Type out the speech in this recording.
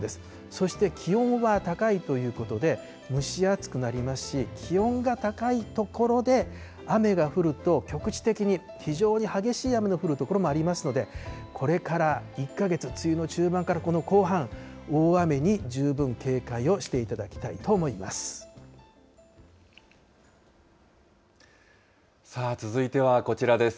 そして気温は高いということで、蒸し暑くなりますし、気温が高い所で雨が降ると、局地的に非常に激しい雨の降る所もありますので、これから１か月、梅雨の中盤からこの後半、大雨に十分警戒をしていただきたいと思さあ、続いてはこちらです。